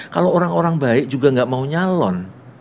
kalau orang orang baik juga nggak mau nyalon